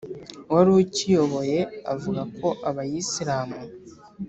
wari ukiyoboye avuga ko abayisilamu